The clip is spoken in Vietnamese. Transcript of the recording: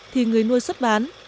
thì người nuôi xuất bán